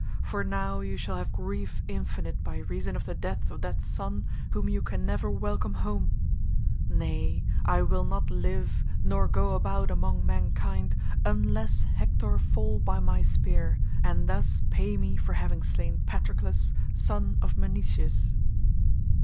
For now you shall have grief infinite by reason of the death of that son whom you can never welcome home—nay, I will not live nor go about among mankind unless Hector fall by my spear, and thus pay me for having slain Patroclus son of Menoetius."